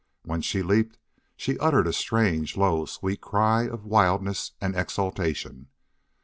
When she leaped she uttered a strange, low, sweet cry of wildness and exultation.